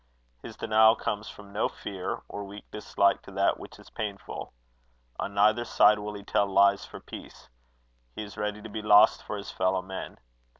His denial comes from no fear, or weak dislike to that which is painful. On neither side will he tell lies for peace. He is ready to be lost for his fellow men.